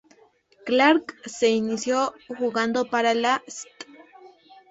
Clark se inició jugando para la St.